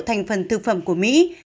thành phần thực phẩm của mỹ